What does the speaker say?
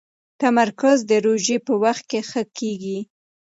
تمرکز د روژې په وخت کې ښه کېږي.